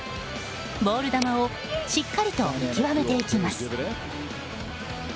ボール球をしっかりと見極めていきます。